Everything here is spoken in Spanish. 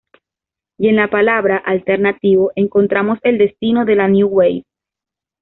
Y en la palabra alternativo encontramos el destino de la "new wave".